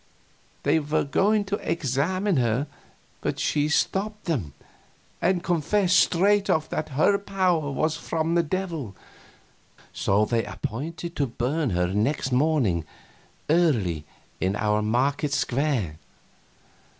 They were going to examine her, but she stopped them, and confessed straight off that her power was from the Devil. So they appointed to burn her next morning, early, in our market square.